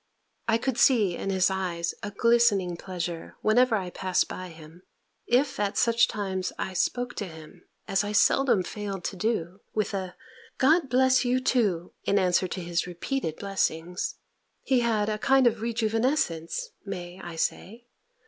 I could see in his eyes a glistening pleasure, whenever I passed by him: if at such times I spoke to him, as I seldom failed to do, with a "God bless you too!" in answer to his repeated blessings, he had a kind of rejuvenescence (may I say?)